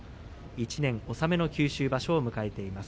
１年納めの九州場所を迎えています。